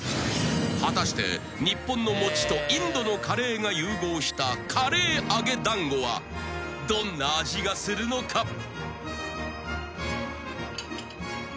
［果たして日本の餅とインドのカレーが融合したカレー揚げ団子はどんな味がするのか？］